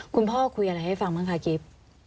คุณพ่อคุยอะไรให้ฟังบ้างคะกิฟต์